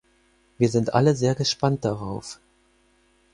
Wir sind alle sehr gespannt darauf.